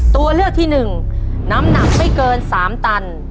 ตัวเลือกที่๑น้ำหนักไม่เกิน๓ตัน